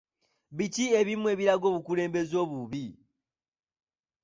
Biki ebimu ku biraga obukulembeze obubi?